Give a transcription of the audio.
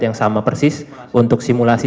yang sama persis untuk simulasi